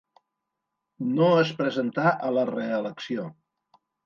No es presentà a la reelecció.